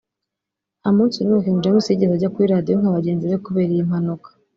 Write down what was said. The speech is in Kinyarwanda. nta munsi n’umwe King James yigeze ajya kuri Radiyo nka bagenzi be kubera iyi mpanuka